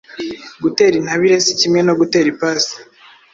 Gutera intabire si kimwe no gutera ipasi